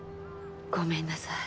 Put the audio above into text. ごめんなさい。